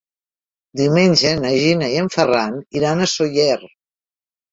Diumenge na Gina i en Ferran iran a Sóller.